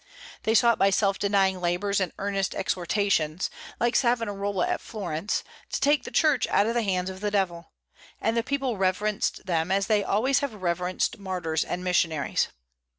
They sought by self denying labors and earnest exhortations, like Savonarola at Florence, to take the Church out of the hands of the Devil; and the people reverenced them, as they always have reverenced martyrs and missionaries.